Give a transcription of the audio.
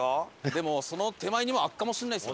でもその手前にもあるかもしれないですよ。